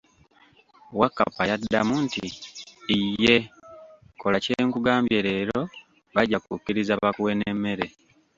Wakkapa yaddamu, nti, eyee, kola ky'enkugambye leero bajja kukiriza bakuwe n'emmere.